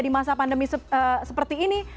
di masa pandemi seperti ini